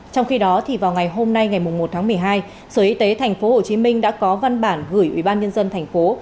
trong khi đó thì vào ngày hôm nay ngày một tháng một mươi hai sở y tế thành phố hồ chí minh đã có văn bản gửi ủy ban nhân dân thành phố